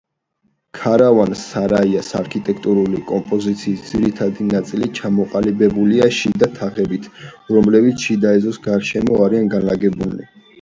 ქარავან-სარაის არქიტექტურული კომპოზიციის ძირითადი ნაწილი ჩამოყალიბებულია შიდა თაღებით, რომლებიც შიდა ეზოს გარშემო არიან განლაგებულნი.